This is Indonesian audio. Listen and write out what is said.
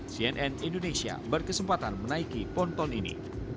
cnn indonesia berkesempatan menaiki ponton ini